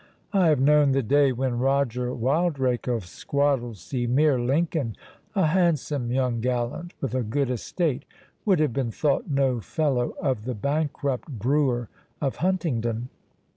I have known the day when Roger Wildrake of Squattlesea mere, Lincoln, a handsome young gallant, with a good estate, would have been thought no fellow of the bankrupt brewer of Huntingdon."